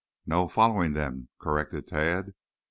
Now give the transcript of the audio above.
"No. Following them," corrected Tad.